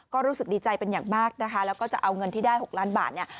ก็รู้สึกดีใจเป็นอย่างมากนะคะแล้วก็จะเอาเงินที่ได้๖ล้านบาทเนี่ย